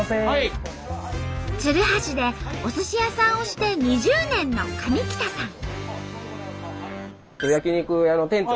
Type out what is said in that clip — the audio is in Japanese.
鶴橋でおすし屋さんをして２０年の上北さん。